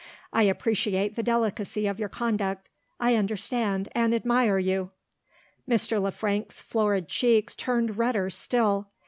I appreciate the delicacy of your conduct I understand, and admire you." Mr. Le Frank's florid cheeks turned redder still.